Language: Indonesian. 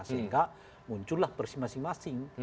sehingga muncullah persi masing masing